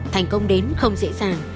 thành công đến không dễ dàng